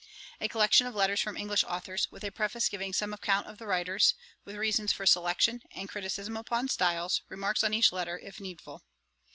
'A Collection of Letters from English authours, with a preface giving some account of the writers; with reasons for selection, and criticism upon styles; remarks on each letter, if needful.